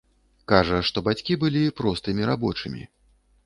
Кажа, што бацькі былі простымі рабочымі.